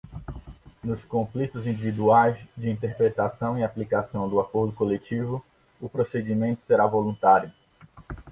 Nos conflitos individuais de interpretação e aplicação do Acordo Coletivo, o procedimento será voluntário.